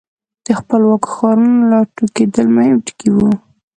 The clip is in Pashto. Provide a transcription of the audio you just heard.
د خپلواکو ښارونو را ټوکېدل مهم ټکي وو.